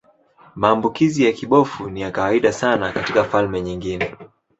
Maambukizi ya kibofu ni ya kawaida sana katika familia nyingine.